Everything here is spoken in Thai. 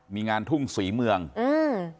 มีงานทุ่งศรีเมืองอืม